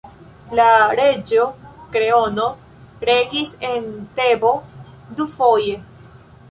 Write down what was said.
La reĝo Kreono regis en Tebo dufoje.